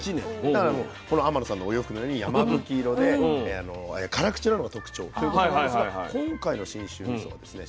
だからこの天野さんのお洋服のようにやまぶき色で辛口なのが特徴ということなんですが今回の信州みそはですね